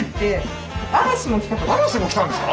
嵐も来たんですか？